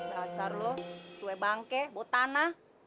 rasar lu tuwe bangke botana